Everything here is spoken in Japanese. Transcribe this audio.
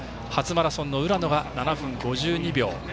初マラソンの浦野が７分５２秒。